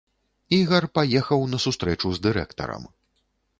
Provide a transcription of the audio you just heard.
Ігар паехаў на сустрэчу с дырэктарам.